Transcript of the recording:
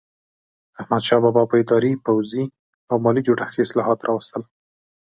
احمدشاه بابا په اداري، پوځي او مالي جوړښت کې اصلاحات راوستل.